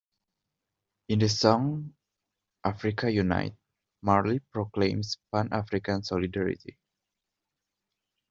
In the song "Africa Unite", Marley proclaims Pan-African solidarity.